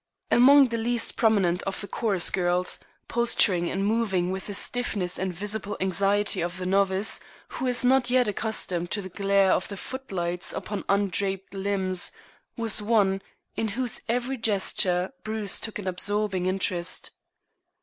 Among the least prominent of the chorus girls, posturing and moving with the stiffness and visible anxiety of the novice, who is not yet accustomed to the glare of the footlights upon undraped limbs, was one in whose every gesture Bruce took an absorbing interest.